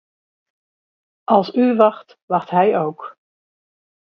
Als u wacht, wacht hij ook.